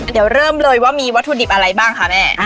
เดี๋ยวเริ่มเลยว่ามีวัตถุดิบอะไรบ้างคะแม่